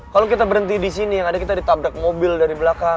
kalo kita berhenti disini yang ada kita ditabrak mobil dari belakang